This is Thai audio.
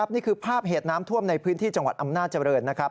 นี่คือภาพเหตุน้ำท่วมในพื้นที่จังหวัดอำนาจเจริญนะครับ